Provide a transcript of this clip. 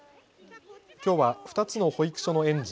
きょうは２つの保育所の園児